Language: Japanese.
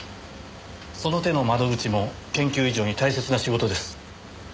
その手の窓口も研究以上に大切な仕事です。